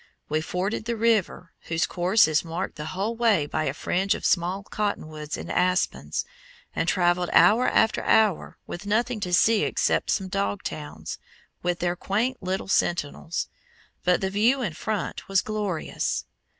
We forded the river, whose course is marked the whole way by a fringe of small cotton woods and aspens, and traveled hour after hour with nothing to see except some dog towns, with their quaint little sentinels; but the view in front was glorious.